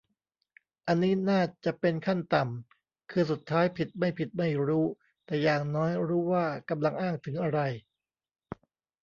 อันนี้น่าจะเป็นขั้นต่ำ คือสุดท้ายผิดไม่ผิดไม่รู้ แต่อย่างน้อยรู้ว่ากำลังอ้างถึงอะไร